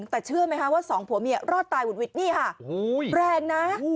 แต่เชื่อไหมคะว่าสองผัวเมียรอดตายหุดหวิดนี่ค่ะแรงนะ